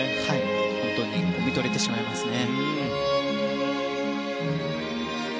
本当に見とれてしまいますね。